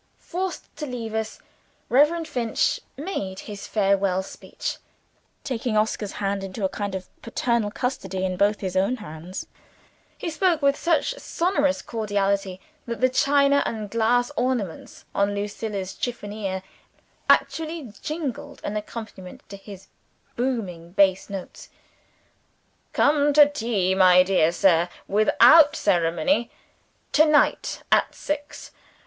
Forced to leave us, Reverend Finch made his farewell speech; taking Oscar's hand into a kind of paternal custody in both his own hands. He spoke with such sonorous cordiality, that the china and glass ornaments on Lucilla's chiffonier actually jingled an accompaniment to his booming bass notes. "Come to tea, my dear sir. Without ceremony. To night at six.